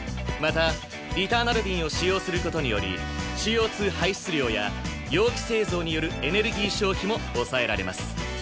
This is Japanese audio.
またリターナブル瓶を使用する事によりＣＯ２排出量や容器製造によるエネルギー消費も抑えられます。